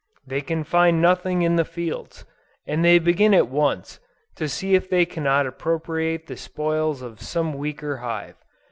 They can find nothing in the fields, and they begin at once, to see if they cannot appropriate the spoils of some weaker hive.